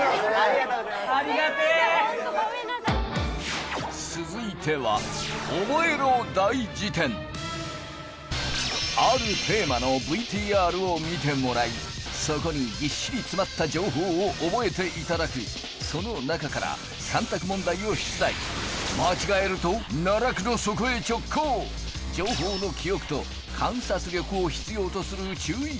ホントごめんなさい続いてはあるテーマのＶＴＲを見てもらいそこにぎっしり詰まった情報をオボエていただくその中から３択問題を出題間違えると奈落の底へ直行情報の記憶と観察力を必要とする注意